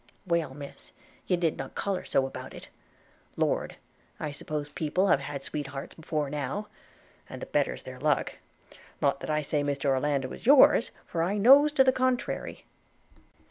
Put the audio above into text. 'Well, Miss, you nid not colour so about it – Lord, I suppose people have had sweethearts before now; and the better's their luck: – not that I say Mr Orlando is yours, for I knows to the contrary.'